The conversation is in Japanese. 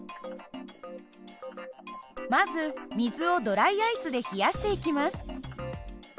まず水をドライアイスで冷やしていきます。